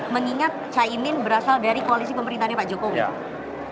mengingat cak imin berasal dari koalisi pemerintahnya pak jokowi